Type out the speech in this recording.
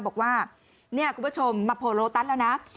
บอกว่าเนี่ยคุณผู้ชมมาโผล่โลตัสแล้วนะ